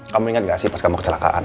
kamu ingat gak sih pas kamu kecelakaan